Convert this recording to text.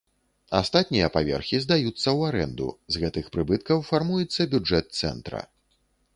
Астатнія паверхі здаюцца ў арэнду, з гэтых прыбыткаў фармуецца бюджэт цэнтра.